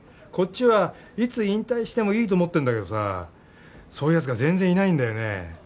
こっちはいつ引退してもいいと思ってるんだけどさそういう奴が全然いないんだよね。